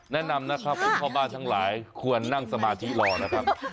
แนะนำนะครับคุณพ่อบ้านทั้งหลายควรนั่งสมาธิรอนะครับ